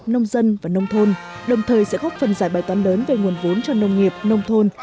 nông dân và nông thôn đồng thời sẽ góp phần giải bài toán lớn về nguồn vốn cho nông nghiệp nông thôn